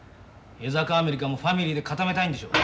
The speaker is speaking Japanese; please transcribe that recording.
江坂アメリカもファミリーで固めたいんでしょう。